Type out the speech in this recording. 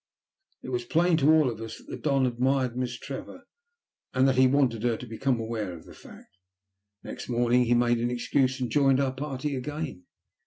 It was plain to all of us that the Don admired Miss Trevor, and that he wanted her to become aware of the fact. Next morning he made an excuse and joined our party again.